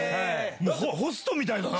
ホストみたいだな！